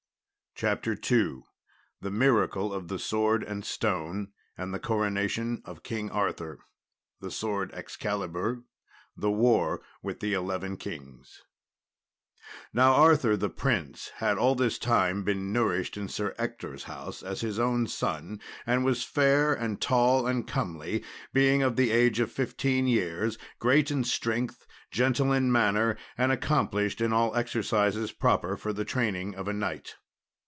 CHAPTER II The Miracle of the Sword and Stone, and the Coronation of King Arthur The Sword Excalilur The War with the Eleven Kings Now Arthur the prince had all this time been nourished in Sir Ector's house as his own son, and was fair and tall and comely, being of the age of fifteen years, great in strength, gentle in manner, and accomplished in all exercises proper for the training of a knight.